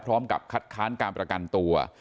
พร้อมกับคัดค้านการประกันตัว